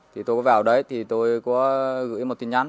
thì tôi có vào đấy thì tôi có gửi một tin nhắn